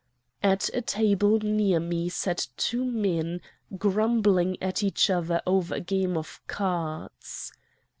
"At a table near me sat two men, grumbling at each other over a game of cards.